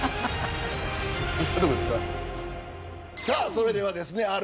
さあ、それではですね